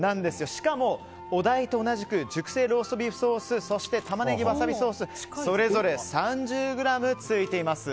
しかもお題と同じく熟成ローストビーフソースそして、玉ねぎわさびソースそれぞれ３０ｇついています。